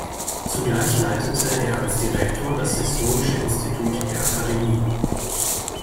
Zugleich leitete er als Direktor das Historische Institut der Akademie.